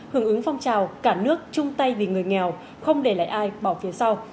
hưởng ứng phong trào cả nước chung tay vì người nghèo không để lại ai bỏ phía sau